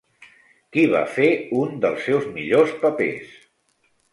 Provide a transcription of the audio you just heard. Qui va fer un dels seus millors papers?